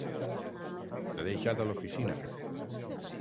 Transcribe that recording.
L'he deixat a l'oficina.